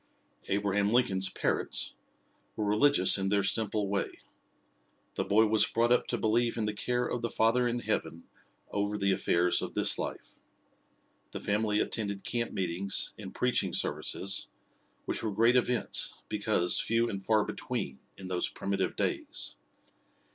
Abraham Lincoln's parents were religious in their simple way. The boy was brought up to believe in the care of the Father in Heaven over the affairs of this life. The family attended camp meetings and preaching services, which were great events, because few and far between, in those primitive days.